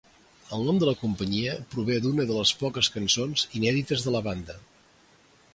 El nom de la companyia prové d'una de les poques cançons inèdites de la banda.